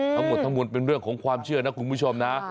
ทั้งหมดทั้งมวลเป็นเรื่องของความเชื่อนะคุณผู้ชมนะ